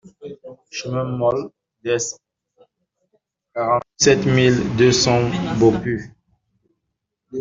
Chemin Mole Daspe, quarante-sept mille deux cents Beaupuy